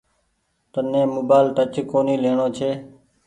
تن ني موبآئيل ٽچ ڪونيٚ ليڻو ڇي۔